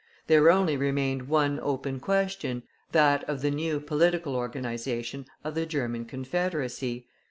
There only remained one open question, that of the new political organization of the German Confederacy.